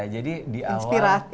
jadi di awal